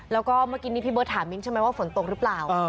แล้วก็เมื่อกี้นี้พี่เบิร์ดถามมิ้นท์ใช่ไหมว่าฝนตกหรือเปล่า